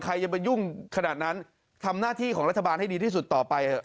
ใครจะไปยุ่งขนาดนั้นทำหน้าที่ของรัฐบาลให้ดีที่สุดต่อไป